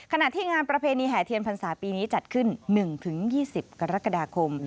ขณะที่งานประเพณีแห่เทียนพรรษาปีนี้จัดขึ้น๑๒๐กรกฎาคม